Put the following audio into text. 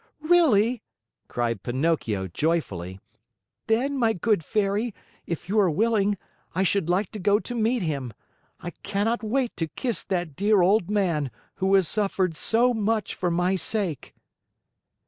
"Really?" cried Pinocchio joyfully. "Then, my good Fairy, if you are willing, I should like to go to meet him. I cannot wait to kiss that dear old man, who has suffered so much for my sake."